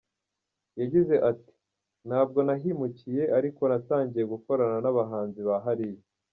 Yagize ati “Ntabwo nahimukiye ariko natangiye gukorana n’abahanzi ba hariya.